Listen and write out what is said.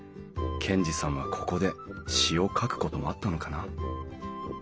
賢治さんはここで詩を書くこともあったのかな？